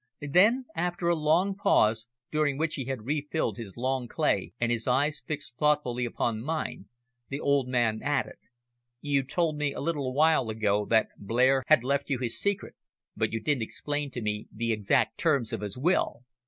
Then, after a long pause, during which he had re filled his long clay, and his eyes fixed thoughtfully upon mine, the old man added, "You told me a little while ago that Blair had left you his secret, but you didn't explain to me the exact terms of his will.